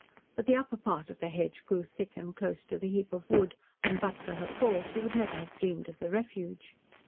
But the upper part of the hedge grew thick and close to the heap of wood, and, but for her fall, she would never have dreamed of the refuge.